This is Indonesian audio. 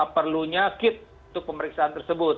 perlunya kit untuk pemeriksaan tersebut